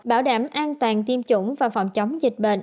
bảo đảm an toàn tiêm chủng và phòng chống dịch bệnh